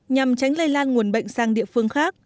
nhằm tránh lây lan nguồn bệnh sang địa phương khác